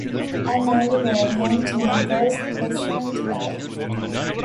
An early variant name was "Pleasant Valley".